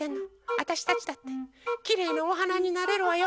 わたしたちだってきれいなおはなになれるわよ！